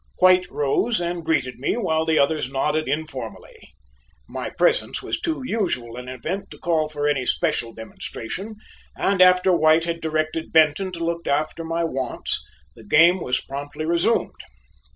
White rose and greeted me, while the others nodded informally; my presence was too usual an event to call for any special demonstration, and after White had directed Benton to look after my wants, the game was promptly resumed.